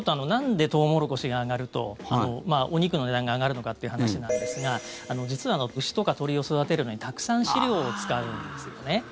なんでトウモロコシが上がるとお肉の値段が上がるのかっていう話なんですが実は牛とか鶏を育てるのにたくさん飼料を使うんですよね。